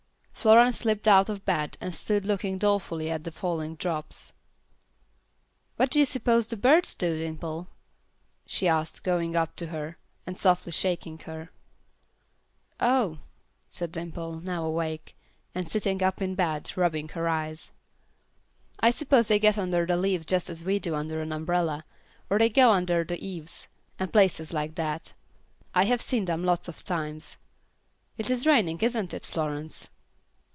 Florence slipped out of bed and stood looking dolefully at the falling drops. "What do you suppose the birds do, Dimple?" she asked, going up to her, and softly shaking her. "Oh," said Dimple, now awake, and sitting up in bed, rubbing her eyes, "I suppose they get under the leaves just as we do under an umbrella, or they go under the eaves, and places like that. I have seen them lots of times. It is raining, isn't it, Florence?"